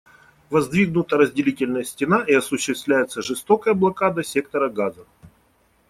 Воздвигнута разделительная стена, и осуществляется жестокая блокада сектора Газа.